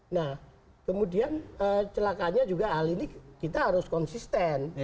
nah kemudian celakanya juga hal ini kita harus konsisten